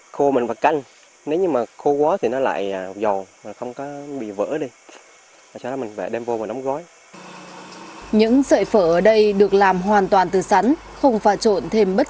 khi nó bắn thì mình là không hóa đơn không tiếng tự không gì hết